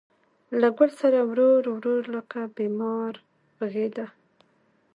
له ګل ســـــــره ورو، ورو لکه بیمار غـــــــږېده